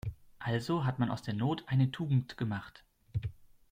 Also hat man aus der Not eine Tugend gemacht.